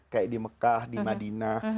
kayak di mekah di madinah